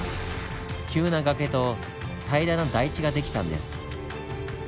急な崖と平らな台地が出来たんです。